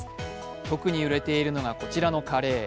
特に売れているのがこちらのカレー。